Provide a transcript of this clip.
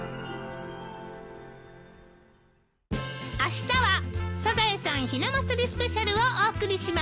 あしたは『サザエさん』ひな祭りスペシャルをお送りします。